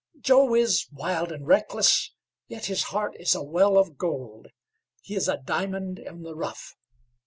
Joe is wild and reckless, yet his heart is a well of gold. He is a diamond in the rough.